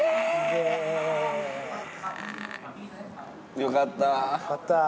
よかった。